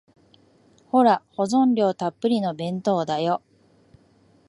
ほら、保存料たっぷりの弁当だよ。